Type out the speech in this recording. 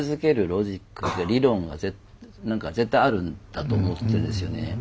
ロジック理論が何か絶対あるんだと思ってんですよね。